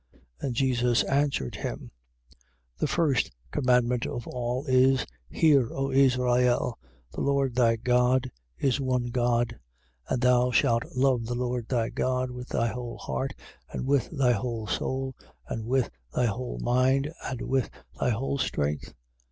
12:29. And Jesus answered him: The first commandment of all is, Hear, O Israel: the Lord thy God is one God. 12:30. And thou shalt love the Lord thy God with thy whole heart and with thy whole soul and with thy whole mind and with thy whole strength.